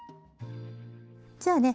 じゃあね